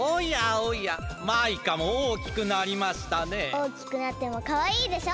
おおきくなってもかわいいでしょ？